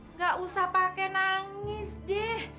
nggak usah pakai nangis deh